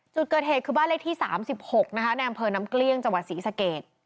จุดเกิดเหตุคือบ้านเลขที่๓๖นะคะในอำเภอน้ำเกลี้ยงจังหวัดศรีสเกต